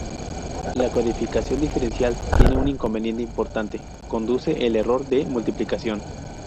La codificación diferencial tiene un inconveniente importante: conduce al error de multiplicación.